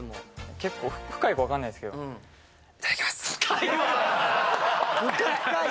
結構深いかわかんないですけどいただきます深い！